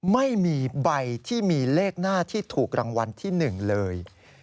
ไม่มีใบที่มีเลขหน้าที่ถูกรางวัลที่๑เลย